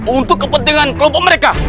untuk kepentingan kelompok mereka